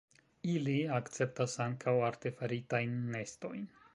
Ili akceptas ankaŭ artefaritajn nestojn.